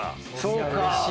そうか。